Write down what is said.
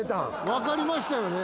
分かりましたよね。